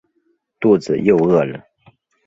肚子又饿了